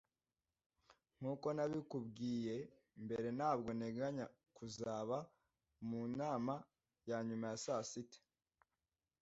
Nkuko nabikubwiye mbere, ntabwo nteganya kuzaba mu nama ya nyuma ya saa sita.